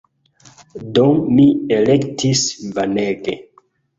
Do, mi elektis Vanege!